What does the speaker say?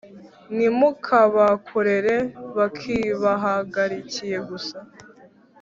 Ntimukabakorere bakibahagarikiye gusa